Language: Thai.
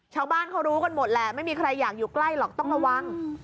ชาวบ้านเขารู้กันหมดแหละไม่มีใครอยากอยู่ใกล้หรอกต้องระวัง